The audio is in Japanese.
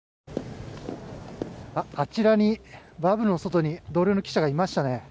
あちらにバブルの外に同僚の記者がいましたね。